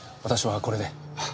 私はこれで。